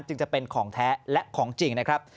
จึงจะเป็นของแท้และของจริงนะครับ